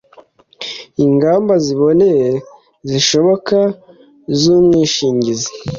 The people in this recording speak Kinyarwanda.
ingamba ziboneye zishoboka z umwishingizi